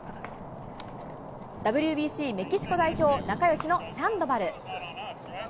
ＷＢＣメキシコ代表、仲よしのサンドバル。